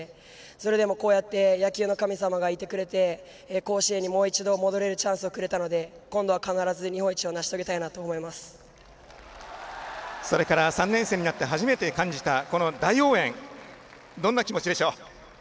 それでも、こうやって野球の神様がいてくれて甲子園にもう一度戻れるチャンスをくれたので今度は必ず日本一をそれから３年生になって初めて感じた、この大応援どんな気持ちでしょう？